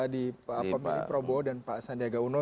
di pemilih prabowo dan pak sandiaga uno